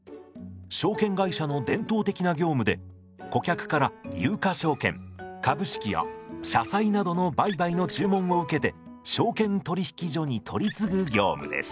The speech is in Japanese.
証券会社の伝統的な業務で顧客から有価証券株式や社債などの売買の注文を受けて証券取引所に取り次ぐ業務です。